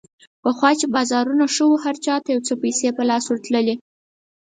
پخوا چې بازارونه ښه وو، هر چا ته یو څه پیسې په لاس ورتللې.